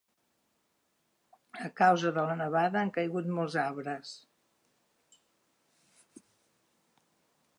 A causa de la nevada han caigut molts arbres.